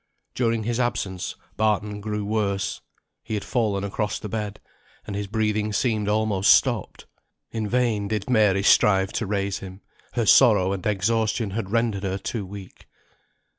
During his absence, Barton grew worse; he had fallen across the bed, and his breathing seemed almost stopped; in vain did Mary strive to raise him, her sorrow and exhaustion had rendered her too weak.